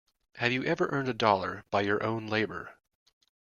Have you ever earned a dollar by your own labour.